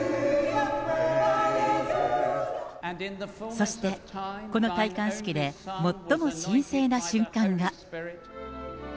そして、この戴冠式で最も神聖な瞬間が。